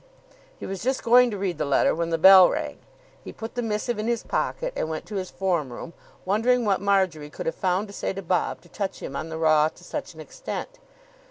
He was just going to read the letter when the bell rang. He put the missive in his pocket, and went to his form room wondering what Marjory could have found to say to Bob to touch him on the raw to such an extent.